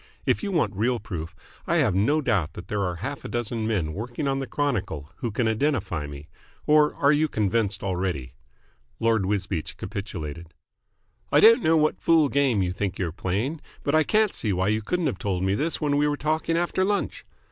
If you want real proof, I have no doubt that there are half a dozen men working on the Chronicle who can identify me. Or are you convinced already?" Lord Wisbeach capitulated. "I don't know what fool game you think you're playing, but I can't see why you couldn't have told me this when we were talking after lunch."